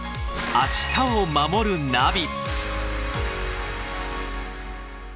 「明日をまもるナビ」